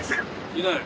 いない？